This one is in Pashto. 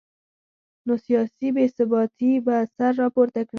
نو سیاسي بې ثباتي به سر راپورته کړي